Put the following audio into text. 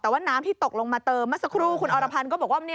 แต่ว่าน้ำที่ตกลงมาเติมเมื่อสักครู่คุณอรพันธ์ก็บอกว่า